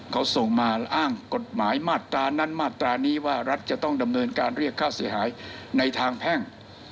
เขาส่งมาอ้างกฎหมายมาตรานั้นมาตรานี้ว่ารัฐจะต้องดำเนินการเรียกค่าเสียหายในทางแพ่ง